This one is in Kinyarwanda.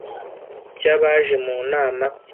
cy abaje mu nama